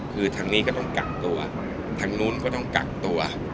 คือทางนี้ก็ต้องกักตัวทางนู้นก็ต้องกักตัว